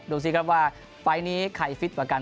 ดูสิครับว่าไฟล์นี้ใครฟิตกว่ากัน